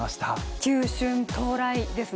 球春到来ですね。